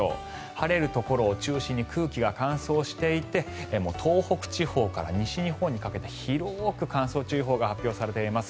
晴れるところを中心に空気が乾燥していて東北地方から西日本にかけて広く、乾燥注意報が発表されています。